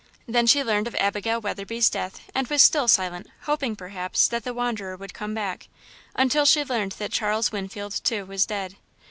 Then she learned of Abigail Weatherby's death, and was still silent, hoping, perhaps, that the wanderer would come back, until she learned that Charles Winfield, too, was dead.